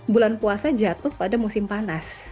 bulan puasa jatuh pada musim panas